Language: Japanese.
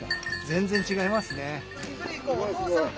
全然違いますね。